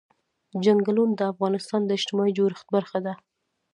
چنګلونه د افغانستان د اجتماعي جوړښت برخه ده.